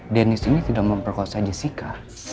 dennis ini tidak memperkosa jessica